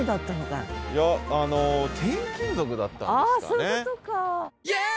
あそういうことか。